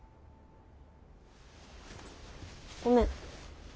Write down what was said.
ごめん。